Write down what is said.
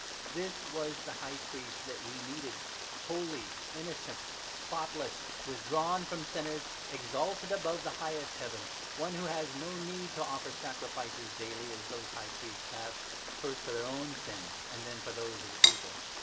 This was the High Priest that we needed — holy, innocent, 26 spotless, withdrawn from sinners, exalted above the highest Heaven, one who has no need to offer sacrifices daily as those 27 High Priests have, first for their own sins, and then for those of the People.